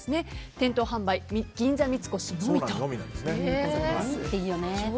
店頭販売は銀座三越のみということです。